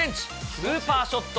スーパーショット。